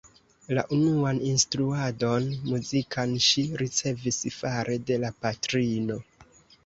La unuan instruadon muzikan ŝi ricevis fare de la patrino.